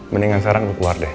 mendingan sekarang udah keluar deh